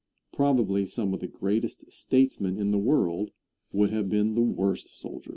Probably some of the greatest statesmen in the world would have been the worst soldiers.